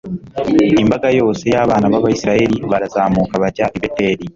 imbaga yose y'abana b'abayisraheli barazamuka bajya i beteli